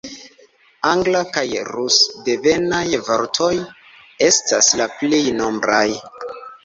Angla- kaj rus-devenaj vortoj estas la plej nombraj.